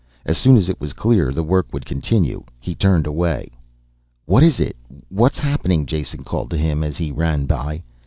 As soon as it was clear the work would continue he turned away. "What is it? What's happening?" Jason called to him as he ran by.